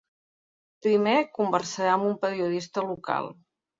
Primer, conversarà amb un periodista local.